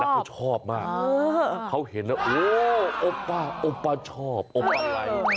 แล้วเขาชอบมากเขาเห็นแล้วโอ้โอป้าชอบโอป้าไลค์